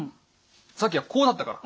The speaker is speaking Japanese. さっきはこうなったから。